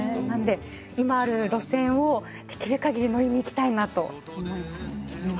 なんで今ある路線をできるかぎり乗りに行きたいなと思います。